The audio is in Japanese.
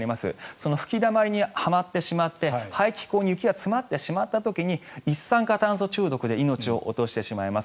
その吹きだまりにはまってしまって排気口に雪が詰まってしまった時に一酸化炭素中毒で命を落としてしまいます。